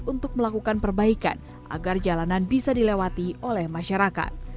untuk melakukan perbaikan agar jalanan bisa dilewati oleh masyarakat